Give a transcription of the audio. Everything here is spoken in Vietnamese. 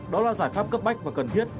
đó là giải pháp cấp bách và cần thiết